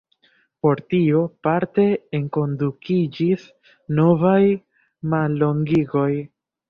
Por tio parte enkondukiĝis novaj mallongigoj.